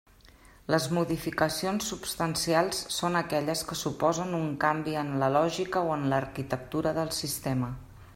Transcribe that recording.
Les modificacions substancials són aquelles que suposen un canvi en la lògica o en l'arquitectura del sistema.